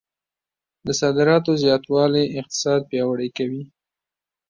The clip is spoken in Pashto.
د صادراتو زیاتوالی اقتصاد پیاوړی کوي.